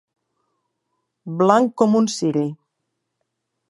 Blanc com un ciri.